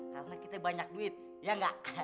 karena kita banyak duit ya enggak